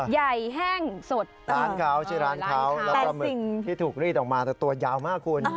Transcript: แห้งสุดร้านเขาชื่อร้านเขาแล้วปลาหมึกที่ถูกรีดออกมาแต่ตัวยาวมากคุณ